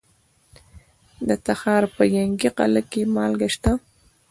د تخار په ینګي قلعه کې مالګه شته.